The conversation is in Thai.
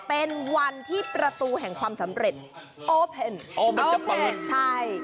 เป็นวันที่ประตูแห่งความสำเร็จโอเพนโอเพนใช่